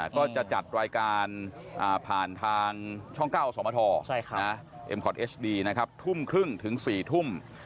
ก็จะจัดรายการผ่านทางช่องเก้าสวมทเอ็มคอร์ดเอชดีทุ่มครึ่งถึงสี่ทุ่ม